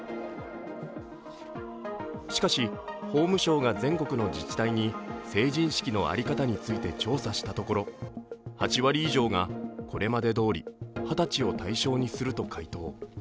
しかし、法務省が全国の自治体に成人式の在り方について調査したところ、８割以上がこれまでどおり２０歳を対象にすると回答。